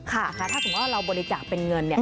ถ้าสมมุติว่าเราบริจาคเป็นเงิน